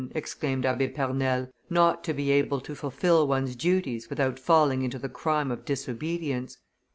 exclaimed Abbe Pernelle, "not to be able to fulfil one's duties without falling into the crime of disobedience!